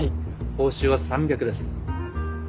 報酬は３００です。